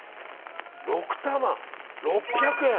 ６玉６００円。